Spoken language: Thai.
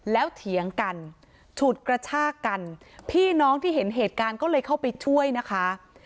แล้วเถียงกันฉุดกระชากกันพี่น้องที่เห็นเหตุการณ์ก็เลยเข้าไปช่วยนะคะ